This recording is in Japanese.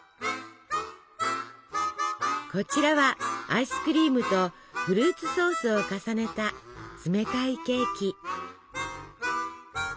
こちらはアイスクリームとフルーツソースを重ねた冷たいケーキ。